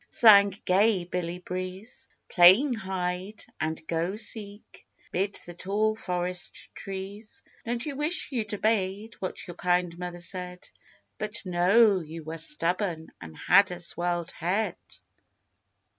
Sang gay Billy Breeze, Playing hide and go seek 'Mid the tall forest trees. "Don't you wish you'd obeyed What your kind mother said? But, no, you were stubborn, And had a swelled head."